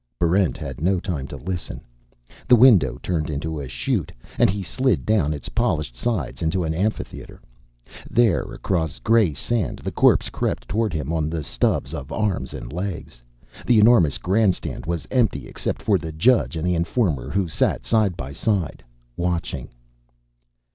_" Barrent had no time to listen. The window turned into a chute, and he slid down its polished sides into an amphitheatre. There, across gray sand, the corpse crept toward him on the stubs of arms and legs. The enormous grandstand was empty except for the judge and the informer, who sat side by side, watching.